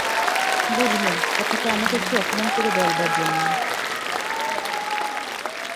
বুঝলুম, কথাটা আমাকে একটু অপমান করে বলবার জন্যে।